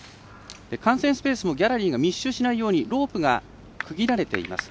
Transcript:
観戦スペースもギャラリーが密集しないようにロープが区切られています。